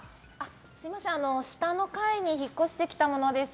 すみません下の階に引っ越してきた者です。